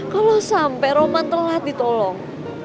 kalau sampai roman telat ditolong